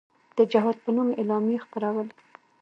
د جهاد په نوم اعلامیې خپرولې.